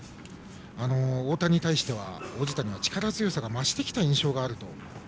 太田に対しては、王子谷は力強さが増してきた印象があると。